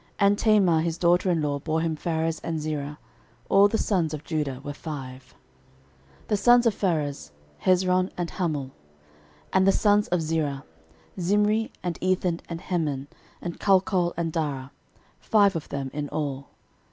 13:002:004 And Tamar his daughter in law bore him Pharez and Zerah. All the sons of Judah were five. 13:002:005 The sons of Pharez; Hezron, and Hamul. 13:002:006 And the sons of Zerah; Zimri, and Ethan, and Heman, and Calcol, and Dara: five of them in all.